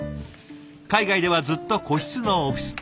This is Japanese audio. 海外ではずっと個室のオフィス。